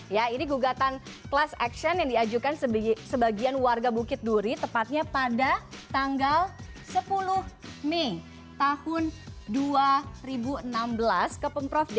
ya ini gugatan class action yang diajukan sebagian warga bukit duri tepatnya pada tanggal sepuluh mei tahun dua ribu enam belas ke pemprov dki